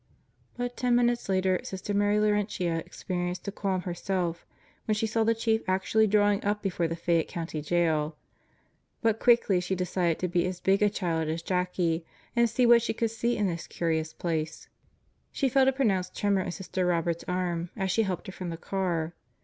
But ten minutes later Sister Mary Laurentia experienced a qualm herself when she saw the Chief actually drawing up before tie Fayette County Jail. But quickly she decided to be as big a child as Jackie and see what she could see in this curious place. She felt a pronounced tremor in Sister Robert's arm as she helped her from the car.